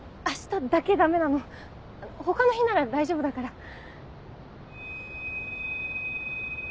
明日だけダメなの他の日なら大丈夫だから。